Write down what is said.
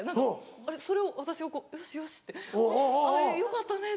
それを私が「よしよし」って「よかったね」って。